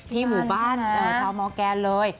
หมู่บ้านชาวมอร์แกนเลย